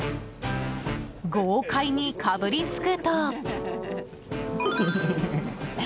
豪快にかぶりつくと。